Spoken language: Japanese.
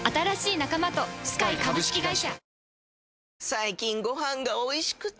最近ご飯がおいしくて！